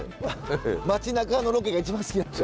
街なかのロケが一番好きなんじゃ。